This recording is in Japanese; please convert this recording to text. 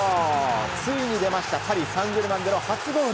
ついに出ましたパリ・サンジェルマンでの初ゴール。